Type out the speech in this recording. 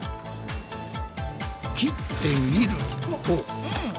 切ってみると。